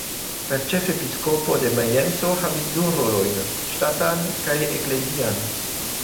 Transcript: La ĉefepiskopo de Majenco havis du rolojn: ŝtatan kaj eklezian.